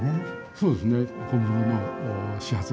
そうですね。